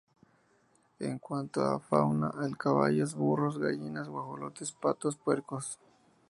En cuanto a fauna el caballos, burros, gallinas, guajolotes, patos, puercos.